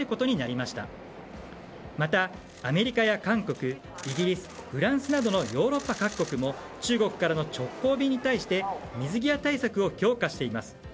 また、アメリカや韓国イギリス、フランスなどのヨーロッパ各国も中国からの直行便に対して水際対策を強化しています。